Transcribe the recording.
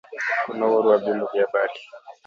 kuna uhuru wa vyombo vya habari